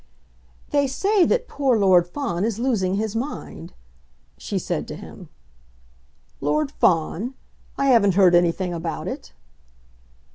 "They say that poor Lord Fawn is losing his mind," she said to him. "Lord Fawn! I haven't heard anything about it."